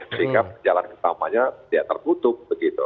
sehingga jalan utamanya tidak terkutuk